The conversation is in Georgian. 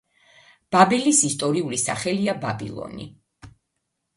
ბაბილის ისტორიული სახელია ბაბილონი.